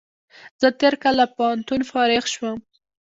زه تېر کال له پوهنتون فارغ شوم